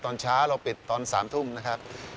ตอนเช้าเราปิดตอน๓ทุ่มนะครับ